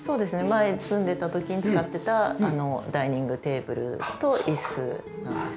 前住んでた時に使ってたダイニングテーブルと椅子なんです。